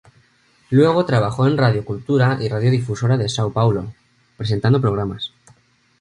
Luego trabajó en Rádio Cultura y Rádio Difusora de São Paulo, presentando programas.